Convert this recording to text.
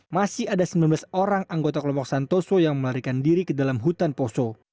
masih ada sembilan belas orang anggota kelompok santoso yang melarikan diri ke dalam hutan poso